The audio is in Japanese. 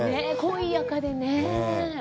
濃い赤でねぇ。